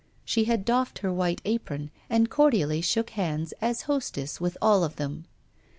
She had doffed her white apron, and cordially shook hands, as hostess, with all of them.